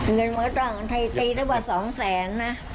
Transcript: เงินมันก็ต้องตีเท่าว่า๒แสนนะ